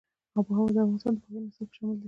آب وهوا د افغانستان د پوهنې نصاب کې شامل دي.